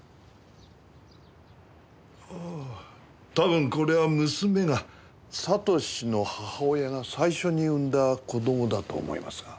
ああ多分これは娘が悟志の母親が最初に産んだ子供だと思いますが。